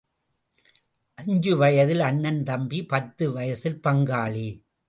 அஞ்சு வயசில் அண்ணன் தம்பி பத்து வயசில் பங்காளி.